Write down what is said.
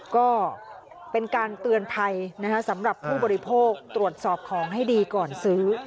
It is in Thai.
ก็เป็นการเตือนภัยสำหรับผู้บริโภคตรวจสอบของให้ดีก่อนซื้อ